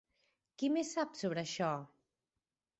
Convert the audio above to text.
Qui més sap sobre això?